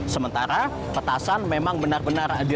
sementara petasan memang benar benar